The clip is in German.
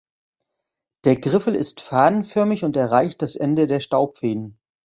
Der Griffel ist fadenförmig und erreicht das Ende der Staubfäden.